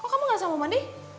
kok kamu gak selalu mau mandi